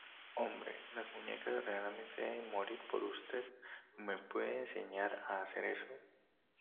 Hombre, las muñecas realmente deben morir por usted. ¿ Me puede enseñar a hacer eso? .